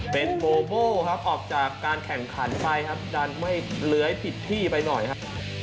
เป็นโบโบ้ครับออกจากการแข่งขันไปครับดันไม่เลื้อยผิดที่ไปหน่อยครับ